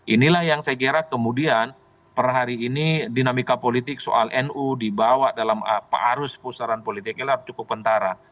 inilah yang saya kira kemudian per hari ini dinamika politik soal nu dibawa dalam arus pusaran politiknya harus cukup tentara